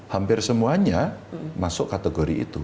hampir semuanya masuk kategori itu